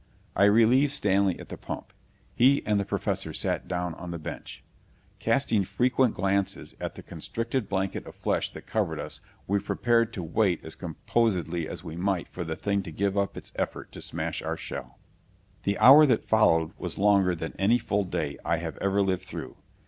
I relieved Stanley at the pump. He and the Professor sat down on the bench. Casting frequent glances at the constricted blanket of flesh that covered us, we prepared to wait as composedly as we might for the thing to give up its effort to smash our shell. The hour that followed was longer than any full day I have ever lived through.